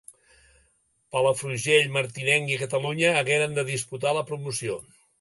Palafrugell, Martinenc i Catalunya hagueren de disputar la promoció.